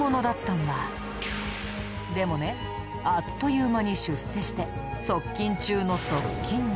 でもねあっという間に出世して側近中の側近に。